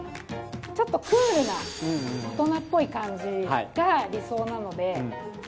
クールな大人っぽい感じが理想なので。